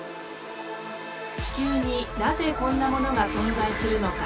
地球になぜこんなものが存在するのか。